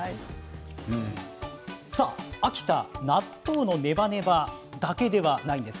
秋田、納豆のネバネバだけではないんです。